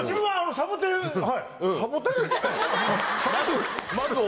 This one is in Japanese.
サボテン？